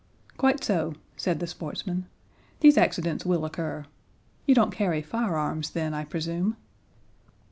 "Quite so," said the sportsman, "these accidents will occur. You don't carry firearms, then, I presume?"